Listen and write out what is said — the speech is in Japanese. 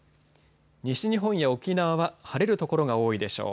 西日本や沖縄は晴れる所が多いでしょう。